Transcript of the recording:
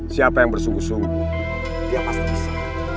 siapa yang bersungguh sungguh dia pasti bisa